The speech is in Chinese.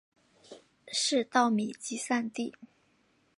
是稻米集散地。